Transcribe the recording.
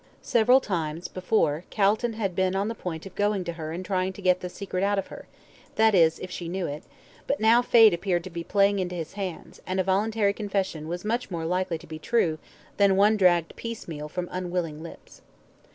Several times before Calton had been on the point of going to her and trying to get the secret out of her that is, if she knew it; but now fate appeared to be playing into his hands, and a voluntary confession was much more likely to be true than one dragged piecemeal from unwilling lips.